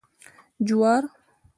🌽 جوار